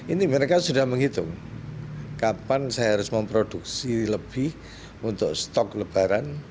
ini mereka sudah menghitung kapan saya harus memproduksi lebih untuk stok lebaran